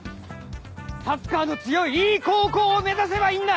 サッカーの強いいい高校を目指せばいいんだ！